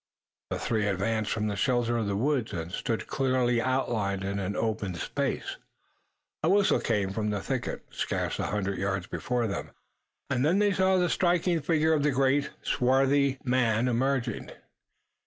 The three advanced from the shelter of the woods, and stood clearly outlined in an open space. A whistle came from a thicket scarce a hundred yards before them, and then they saw the striking figure of the great, swarthy man emerging.